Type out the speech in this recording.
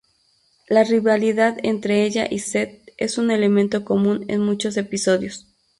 La rivalidad entre ella y Seth es un elemento común en muchos episodios.